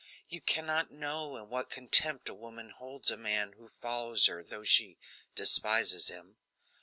You cannot know in what contempt a woman holds a man who follows her though she despises him.